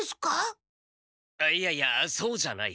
あっいやいやそうじゃない。